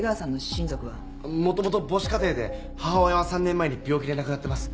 もともと母子家庭で母親は３年前に病気で亡くなってます。